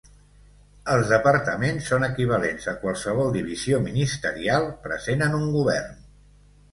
Els departaments són equivalents a qualsevol divisió ministerial present en un govern.